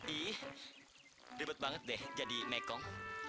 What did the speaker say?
ih ribet banget deh jadi mekong